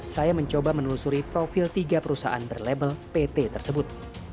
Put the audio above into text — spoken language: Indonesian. saya mencoba menelusuri profil tiga perusahaan berlabel pt tersebut